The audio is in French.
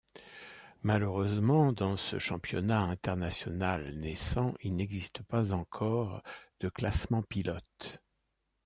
Malheureusement dans ce championnat international naissant il n'existe pas encore de classement pilotes.